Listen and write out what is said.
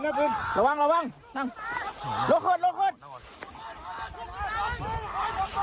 ทีนี้ก็จะอย่างงี้นะฮะ